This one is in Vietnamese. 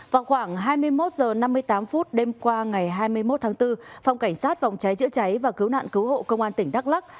vào khoảng hai mươi một h năm mươi tám phút đêm qua ngày hai mươi một tháng bốn phòng cảnh sát phòng cháy chữa cháy và cứu nạn cứu hộ công an tỉnh đắk lắc